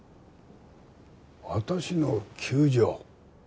私の窮状？